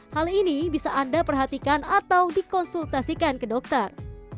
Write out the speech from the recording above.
hal ini bisa anda perhatikan atau dikonsultasikan ke dokter